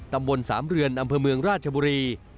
ตำบลสามเรือนอำเภอเมืองราชบุรี